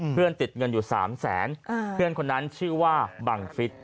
เพื่อนติดเงินอยู่๓แสนเพื่อนคนนั้นชื่อว่าบังฟิศ